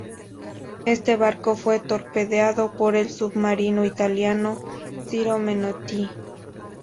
Este barco fue torpedeado por el submarino italiano Ciro Menotti.